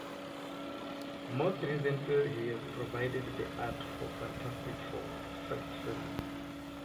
Most recently he has provided the art for "Fantastic Four: First Family".